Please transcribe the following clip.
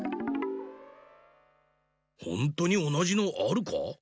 ほんとにおなじのあるか？